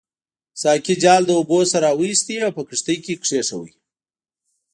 ساقي جال له اوبو نه راوایست او په کښتۍ کې کېښود.